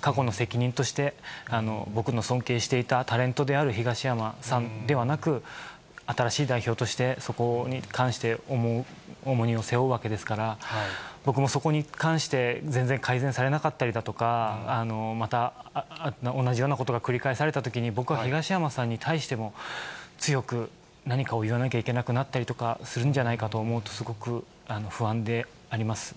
過去の責任として、僕の尊敬していたタレントである東山さんではなく、新しい代表として、そこに関して重荷を背負うわけですから、僕もそこに関して、全然改善されなかったりとか、また同じようなことが繰り返されたときに、僕は東山さんに対しても、強く何かを言わなきゃいけなくなったりするんじゃないかと思うと、すごく不安であります。